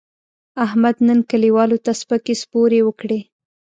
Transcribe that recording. احمد نن کلیوالو ته سپکې سپورې وکړې.